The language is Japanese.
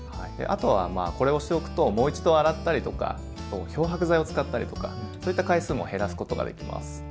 あとはまあこれをしておくともう一度洗ったりとか漂白剤を使ったりとかそういった回数も減らすことができます。